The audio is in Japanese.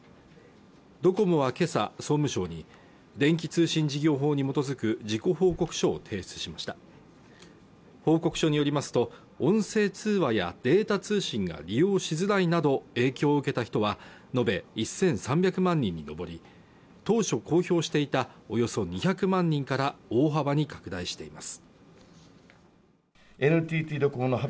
ドコモはけさ総務省に電気通信事業法に基づく事故報告書を提出しました報告書によりますと音声通話やデータ通信が利用しづらいなど影響を受けた人は延べ１３００万人に上り当初公表していたおよそ２００万人から大幅に拡大しています